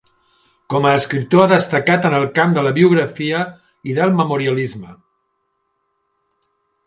Com a escriptor, ha destacat en el camp de la biografia i del memorialisme.